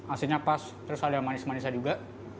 asinnya pas terus ada manis manisnya juga